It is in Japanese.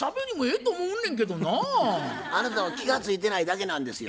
あなたは気が付いてないだけなんですよ。